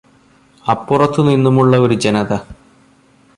അപ്പുറത്തു നിന്നുമുള്ള ഒരു ജനത